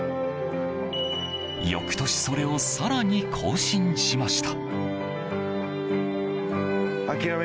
翌年それを更に更新しました。